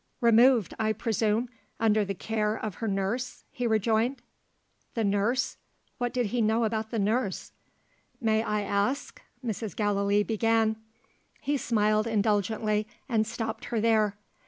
"Removed, I presume, under the care of her nurse?" he rejoined. The nurse? What did he know about the nurse? "May I ask ?" Mrs. Gallilee began. He smiled indulgently, and stopped her there.